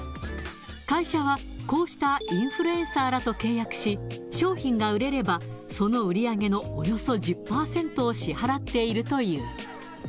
会社はこうしたインフルエンサーらと契約し、商品が売れればその売り上げのおよそ１０％を支払っているという。